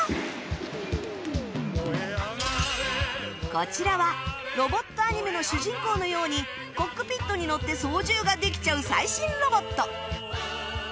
こちらはロボットアニメの主人公のようにコックピットに乗って操縦ができちゃう最新ロボット